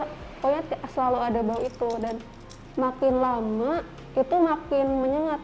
pokoknya selalu ada bau itu dan makin lama itu makin menyengat